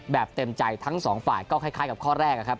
เต็มใจทั้งสองฝ่ายก็คล้ายกับข้อแรกนะครับ